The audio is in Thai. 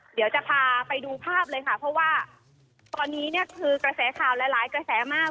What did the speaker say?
เดี๋ยวจะพาไปดูภาพเลยค่ะเพราะว่าตอนนี้เนี่ยคือกระแสข่าวหลายหลายกระแสมาก